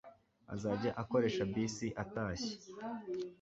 azajya akoresha bisi atashye